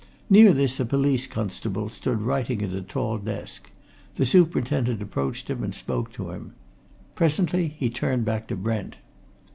Near this, a police constable stood writing at a tall desk; the superintendent approached and spoke to him. Presently he turned back to Brent.